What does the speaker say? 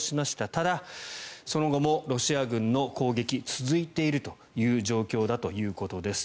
ただ、その後もロシア軍の攻撃続いているという状況だということです。